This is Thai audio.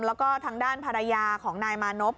แล้วก็ทางด้านภรรยาของนายมานพ